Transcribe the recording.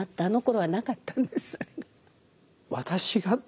あのころはなかったんですそれが。